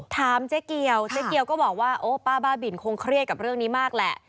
ถามเจ๊เกียวเจ๊เกียวก็บอกว่าโอ้ป้าบ้าบินคงเครียดกับเรื่องนี้มากแหละ